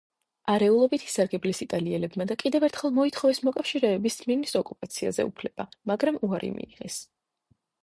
არეულობით ისარგებლეს იტალიელებმა და კიდევ ერთხელ მოთხოვეს მოკავშირეებს სმირნის ოკუპაციაზე უფლება, მაგრამ უარი მიიღეს.